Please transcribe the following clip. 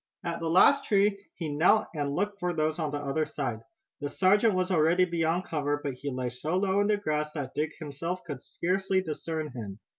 At the last tree he knelt and looked for those on the other side. The sergeant was already beyond cover, but he lay so low in the grass that Dick himself could scarcely discern him.